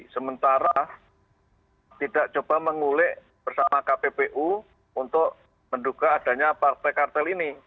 sementara tidak coba mengulik bersama kppu untuk menduga adanya partai kartel ini